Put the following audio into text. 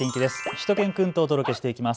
しゅと犬くんとお届けしていきます。